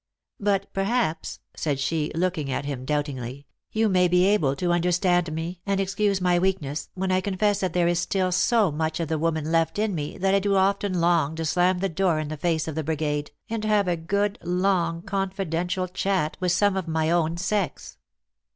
But, perhaps," said she, looking at him doubtingly, u you may be able to understand me, and excuse my \veakness, when I confess that there is still so much of the woman left in me that I do often long to slam the door in the face of the brigade, and have a good long confidential chat with some of my own sex."